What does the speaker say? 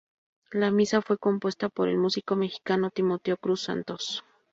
La misa fue compuesta por el músico mexicano "Timoteo Cruz Santos".